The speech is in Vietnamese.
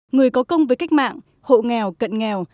người có công với cách mạng hộ nghèo cận nghèo